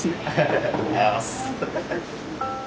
ありがとうございます。